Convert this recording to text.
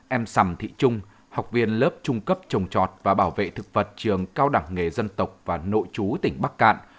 em sầm thị trung học viên lớp trung cấp trồng trọt và bảo vệ thực vật trường cao đẳng nghề dân tộc và nội chú tỉnh bắc cạn